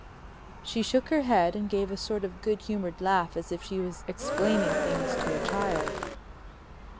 She shook her head and gave a sort of good humored laugh as if she was explaining things to a child.